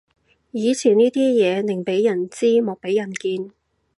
以前呢啲嘢寧俾人知莫俾人見